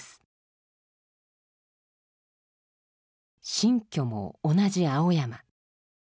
新居も同じ青山。